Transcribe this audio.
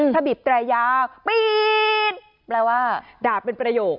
ถ้าบีบแตรยาวปีนแปลว่าด่าเป็นประโยค